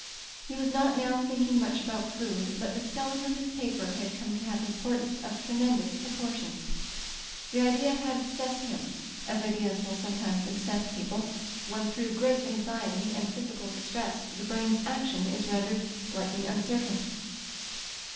He was not now thinking much about food, but the selling of his paper had come to have importance of tremendous proportions. The idea had ob sessed him, as ideas will sometimes obsess people when through great anxiety and phys ical distress the brain's action is rendered slightly uncertain.